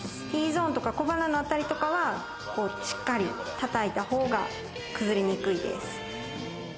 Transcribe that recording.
Ｔゾーンとか小鼻の辺りとかは、しっかり叩いた方が崩れにくいです。